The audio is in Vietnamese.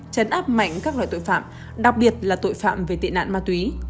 chấn áp mạnh các loại tội phạm đặc biệt là tội phạm về tệ nạn ma túy